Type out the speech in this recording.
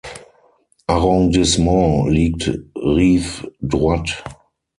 Arrondissement liegt Rive Droite.